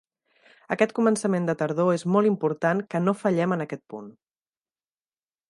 Aquest començament de tardor és molt important que no fallem en aquest punt.